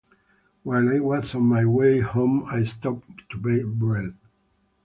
While I was on my way home I stopped to buy bread.